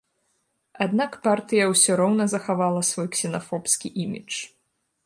Аднак партыя ўсё роўна захавала свой ксенафобскі імідж.